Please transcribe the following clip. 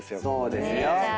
そうですよ。